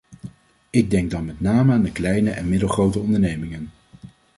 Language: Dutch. Ik denk dan met name aan de kleine en middelgrote ondernemingen.